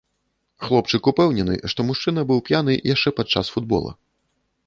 Хлопчык упэўнены, што мужчына быў п'яны яшчэ падчас футбола.